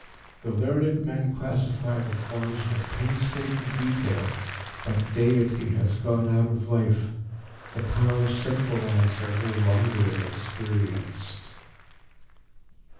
The learned men classify the forms with painstaking detail. But deity has gone out of life. The Powers symbolised are no longer experienced."